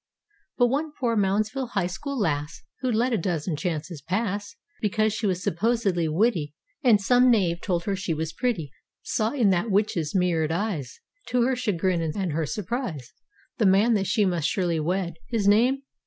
But one poor Moundsville High school lass Who'd let a dozen chances pass Because she was suppos'dly witty, (And some knave told her she was pretty) — Saw in that witches' mirrored eyes. To her chagrin and her surprise. The man that she must surely wed. His name?